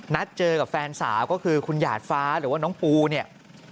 นัดเจอกับแฟนสาวก็คือคุณหยาดฟ้าหรือว่าน้องปูเนี่ย